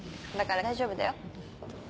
だから大丈夫だよ。